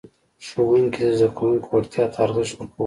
ښوونکي د زده کوونکو وړتیا ته ارزښت ورکولو.